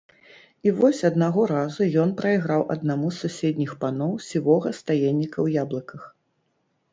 І вось аднаго разу ён прайграў аднаму з суседніх паноў сівога стаенніка ў яблыках.